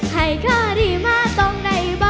ให้เค้าดีมาตรงใดบ่